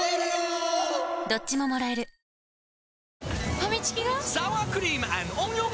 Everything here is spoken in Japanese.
ファミチキが！？